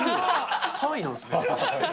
単位なんですね。